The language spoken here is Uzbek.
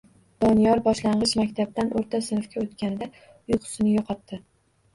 Doniyor boshlang‘ich maktabdan o‘rta sinfga o‘tganida uyqusini yo‘qotdi.